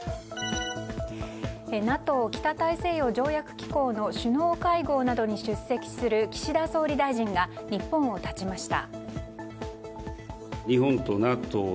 ＮＡＴＯ・北大西洋条約機構の首脳会合などに出席する岸田総理大臣が日本を発ちました。